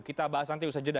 kita bahas nanti usaha jeda